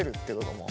もう。